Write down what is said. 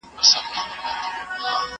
هر شى پر خپل ځاى ښه ايسي.